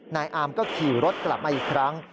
นายอามก็ขี่รถกลับมาอีกครั้ง